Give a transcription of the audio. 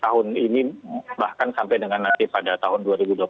tahun ini bahkan sampai dengan nanti pada tahun dua ribu dua puluh